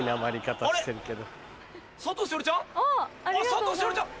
佐藤栞里ちゃん？